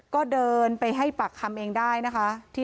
ก็เดินไปให้ปากคำเองได้นะคะ